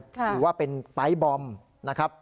หรือว่าเป็นไปร์ทบอมนะครับ